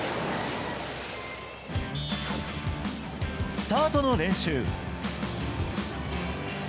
スタートの練習。